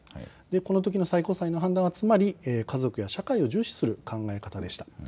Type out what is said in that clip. このときの最高裁の判断はつまり、家族や社会を重視する考え方でした。